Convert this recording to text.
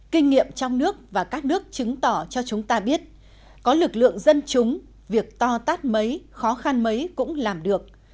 kinh nghiệm trong nước và các nước chứng tỏ cho chúng ta biết có lực lượng dân chúng việc to tát mấy khó khăn mấy cũng làm được